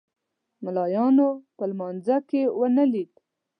ملایانو په لمانځه کې ونه لید.